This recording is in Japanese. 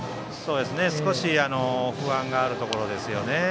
少し不安があるところです。